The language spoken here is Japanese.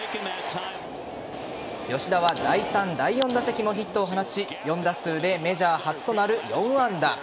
吉田は第３、第４打席もヒットを放ち４打数でメジャー初となる４安打。